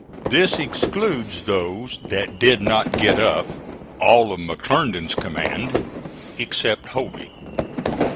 This excludes those that did not get up, all of McClernand's command except Hovey.